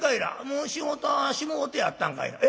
「もう仕事はしもうてやったんかいな？」。